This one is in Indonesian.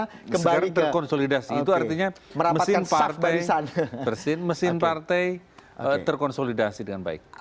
sekarang terkonsolidasi itu artinya mesin partai terkonsolidasi dengan baik